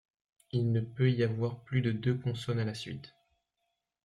Il ne peut y avoir plus de deux consonnes à la suite.